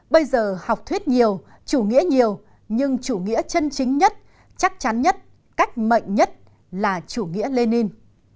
bây giờ học thuyết nhiều chủ nghĩa nhiều nhưng chủ nghĩa chân chính nhất chắc chắn nhất cách mạnh nhất là chủ nghĩa lenin